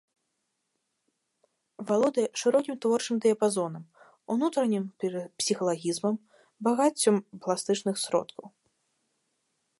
Валодае шырокім творчым дыяпазонам, унутраннім псіхалагізмам, багаццём пластычных сродкаў.